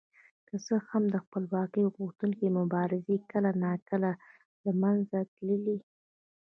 که څه هم د خپلواکۍ غوښتونکو مبارزې کله ناکله له منځه تللې.